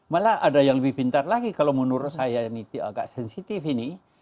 malah ada yang lebih pintar lagi kalau menurut saya ini agak sensitif ini